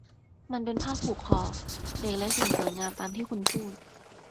มันเป็นผ้าผูกคอ เด็กและสิ่งสวยงามตามที่คุณพูด